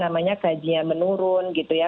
menurun gitu ya